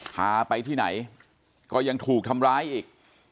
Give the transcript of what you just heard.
พาไปที่ไหนก็ยังถูกทำร้ายอีก